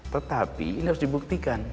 tetapi ini harus dibuktikan